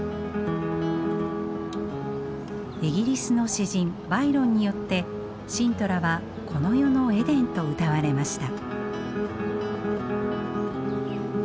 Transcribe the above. イギリスの詩人バイロンによってシントラはこの世のエデンとうたわれました。